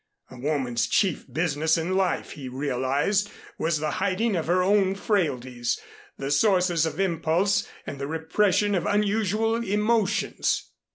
A woman's chief business in life, he realized, was the hiding of her own frailties, the sources of impulse and the repression of unusual emotions.